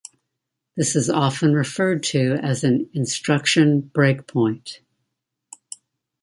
This is often referred to as an "instruction breakpoint".